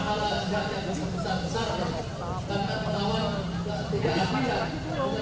hal yang tidak serius terhadap target itu